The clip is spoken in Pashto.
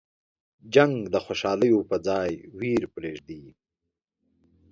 جنګ د خوشحالیو په ځای ویر پرېږدي.